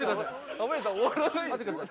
濱家さん終わらないでください。